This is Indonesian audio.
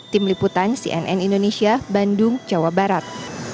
tim liputan cnn indonesia bandung jawa barat